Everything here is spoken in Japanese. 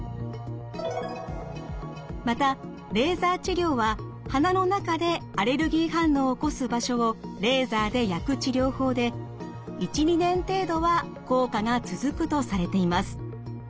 またレーザー治療は鼻の中でアレルギー反応を起こす場所をレーザーで焼く治療法で１２年程度は効果が続くとされています。